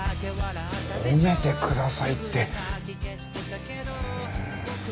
褒めて下さいって。